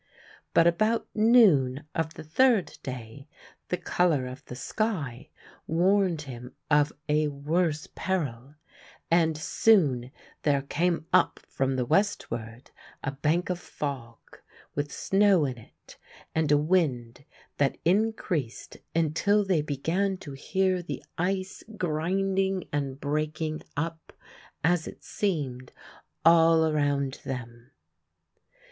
But about noon of the third day the colour of the sky warned him of a worse peril, and soon there came up from the westward a bank of fog, with snow in it, and a wind that increased until they began to hear the ice grinding and breaking up as it seemed all around them.